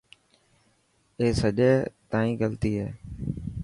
اي سڄي تائن غلطي هي.